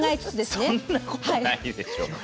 そんなことないでしょう。